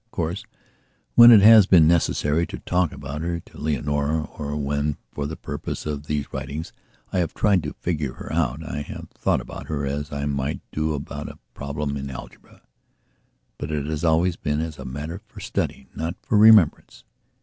Of course, when it has been necessary to talk about her to Leonora, or when for the purpose of these writings I have tried to figure her out, I have thought about her as I might do about a problem in algebra. But it has always been as a matter for study, not for remembrance.